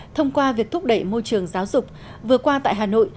thông qua việc thúc đẩy môi trường giáo dục vừa qua tại hà nội